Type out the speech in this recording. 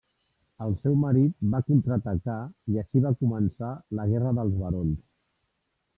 El seu marit va contraatacar i així va començar la guerra dels barons.